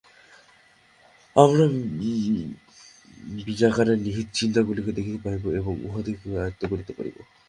আমরা বীজাকারে নিহিত চিন্তাগুলিকে দেখিতে পাইব এবং উহাদিগকে আয়ত্ত করিতে পারিব।